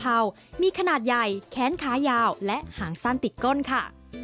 ตระกูลหนูตะเพรามีขนาดใหญ่แค้นขายาวและหางสั้นติดก้นค่ะ